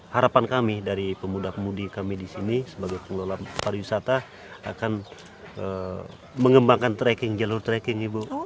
harapan kami dari pemuda pemudi kami di sini sebagai pengelola pariwisata akan mengembangkan tracking jalur tracking ibu